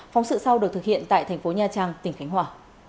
phóng sự sau được thực hiện tại thành phố nha trang tỉnh khánh hòa